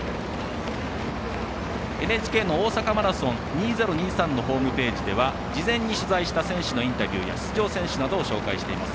ＮＨＫの大阪マラソン２０２３のホームページでは事前に取材した選手のインタビューや出場選手などを紹介しています。